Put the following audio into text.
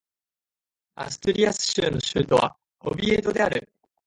アストゥリアス州の州都はオビエドである